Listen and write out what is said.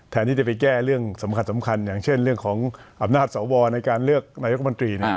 ที่จะไปแก้เรื่องสำคัญอย่างเช่นเรื่องของอำนาจสวในการเลือกนายกมนตรี